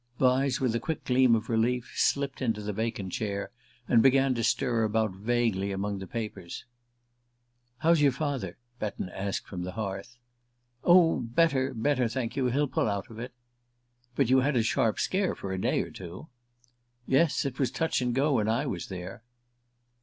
Vyse, with a quick gleam of relief, slipped into the vacant chair, and began to stir about vaguely among the papers. "How's your father?" Betton asked from the hearth. "Oh, better better, thank you. He'll pull out of it." "But you had a sharp scare for a day or two?" "Yes it was touch and go when I got there."